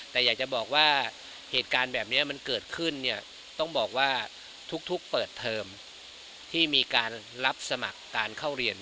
แต่อยากจะบอกว่าเหตุการณ์แบบนี้มันเกิดขึ้นเนี่ยต้องบอกว่าทุกเปิดเทอมที่มีการรับสมัครการเข้าเรียน